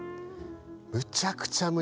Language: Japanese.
むちゃくちゃむね